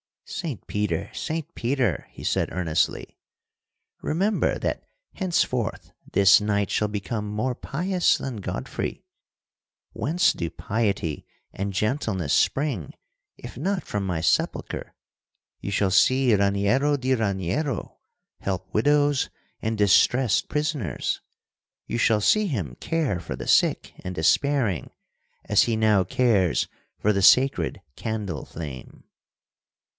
"'Saint Peter, Saint Peter,' He said earnestly. 'Remember that henceforth this knight shall become more pious than Godfrey. Whence do piety and gentleness spring, if not from my sepulchre? You shall see Raniero di Raniero help widows and distressed prisoners. You shall see him care for the sick and despairing as he now cares for the sacred candle flame.